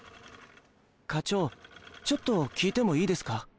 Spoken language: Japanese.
課長ちょっと聞いてもいいですか？